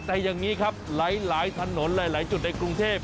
แต่อย่างนี้ครับหลายถนนหลายจุดในกรุงเทพ